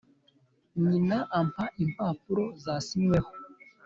Nyina ampa imapuro zasinyweho